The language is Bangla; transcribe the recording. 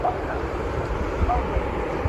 হ্যা, আমি শুনছি।